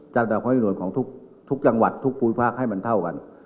ระดับความอิ่วนของทุกจังหวัดทุกภูมิภาคให้มันเท่ากัน